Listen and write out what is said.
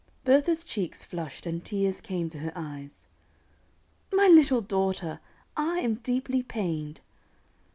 Bertha's cheeks flushed, and tears came to her eyes. "My little daughter, I am deeply pained!"